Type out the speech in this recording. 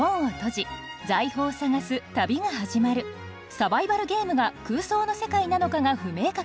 「サバイバルゲーム」が空想の世界なのかが不明確。